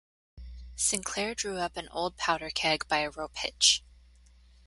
Sinclair drew up an old powder-keg by a rope-hitch.